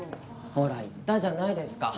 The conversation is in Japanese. ほら言ったじゃないですか。